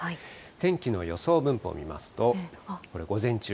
天気の予想分布を見ますと、これ、午前中。